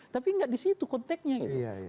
tapi nggak di situ konteknya gitu